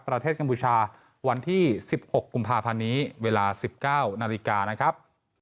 กัมพูชาวันที่๑๖กุมภาพันธ์นี้เวลา๑๙นาฬิกานะครับ